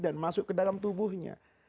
dan masuk ke dalam tubuhnya